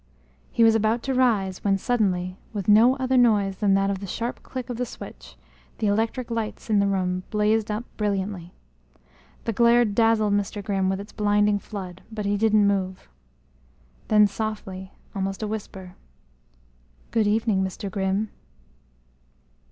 He was about to rise when, suddenly, with no other noise than that of the sharp click of the switch, the electric lights in the room blazed up brilliantly. The glare dazzled Mr. Grimm with its blinding flood, but he didn't move. Then softly, almost in a whisper: "Good evening, Mr. Grimm."